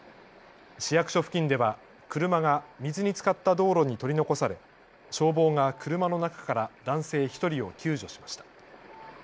市役所付近では車が水につかった道路に取り残され消防が車の中から男性１人を救助しました。